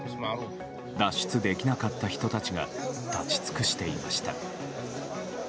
脱出できなかった人たちが立ち尽くしていました。